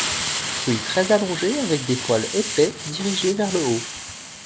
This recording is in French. Fruits très allongés avec des poils épais, dirigés vers le haut.